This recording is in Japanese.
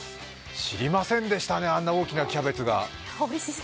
知りませんでしたね、あんな大きなキャベツが。